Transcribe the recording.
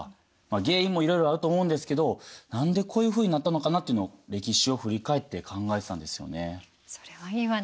原因もいろいろあると思うんですけど何でこういうふうになったのかなっていうのを歴史を振り返って考えてたんですよね。